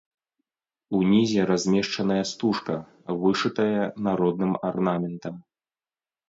Унізе размешчаная стужка, вышытая народным арнаментам.